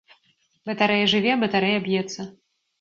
Батарэя жыве, батарэя б'ецца!